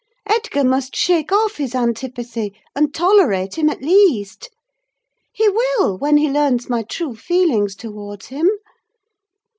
Edgar must shake off his antipathy, and tolerate him, at least. He will, when he learns my true feelings towards him.